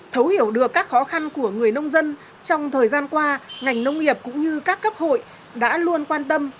thấu hiểu được các khó khăn của người nông dân trong thời gian qua ngành nông nghiệp cũng như các cấp hội đã luôn quan tâm